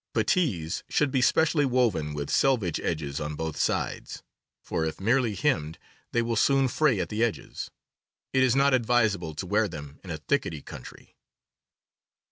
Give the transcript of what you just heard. Puttees should be specially woven with selvage edges on both sides, for if merely hemmed they will soon fray at the edges. It is not advisable to wear them in a thickety country.